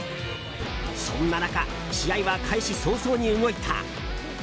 そんな中、試合は開始早々に動いた。